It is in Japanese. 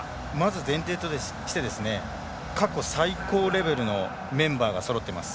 前提として過去最高レベルのメンバーがそろっています。